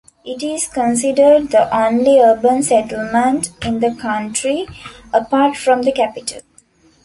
It is considered the only urban settlement in the country, apart from the capital.